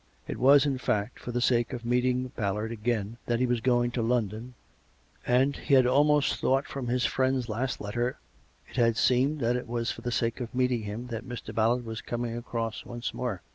It was, in fact, for the sake of meet ing Ballard again that he was going to London; and, he had almost thought from his friend's last letter, it had COME RACK! COME ROPE! 137 seemed that it was for the sake of meeting him that Mr. Ballard was coming across once more.